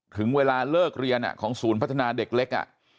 ถึงเวลาเลิกเรียนของศูนย์พัฒนาเด็กเล็ก